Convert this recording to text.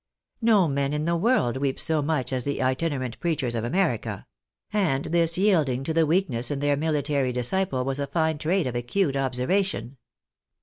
No men in the world weep so much as the itinerant preachers of America ; and this yielding to the weakness in their military disciple was a fine trait of acute observation.